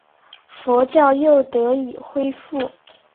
佛教又得以恢复。